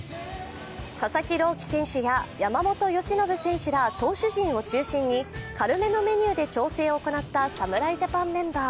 佐々木朗希選手や山本由伸選手や投手陣を中心に軽めのメニューで調整を行った侍ジャパンメンバー。